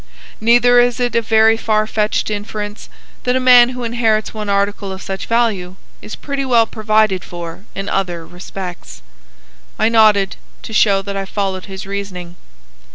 Neither is it a very far fetched inference that a man who inherits one article of such value is pretty well provided for in other respects." I nodded, to show that I followed his reasoning.